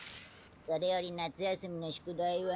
それより夏休みの宿題は？